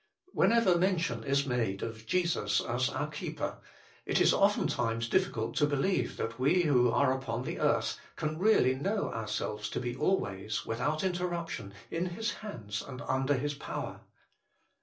Whenever mention is made of Jesus as our Keeper, it is oftentimes difficult to believe that we who are upon the earth can really know ourselves to be always, without interruption, in His hands and under His power.